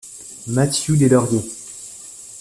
Matthew Des Lauriers.